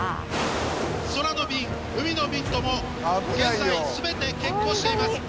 空の便海の便とも現在全て欠航しています